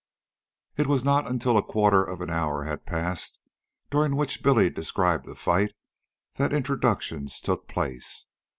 It was not until a quarter of an hour had passed, during which Billy described the fight, that introductions took place.